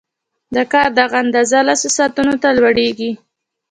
د کار دغه اندازه لسو ساعتونو ته لوړېږي